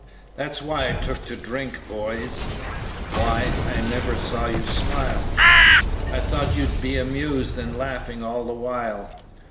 "That's why I took to drink, boys. Why, I never see you smile, I thought you'd be amused, and laughing all the while.